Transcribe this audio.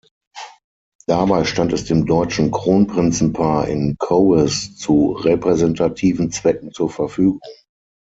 Dabei stand es dem deutschen Kronprinzenpaar in Cowes zu repräsentativen Zwecken zur Verfügung.